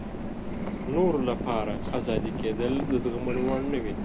نورو لپاره ازاري کېدل د زغملو وړ نه وي.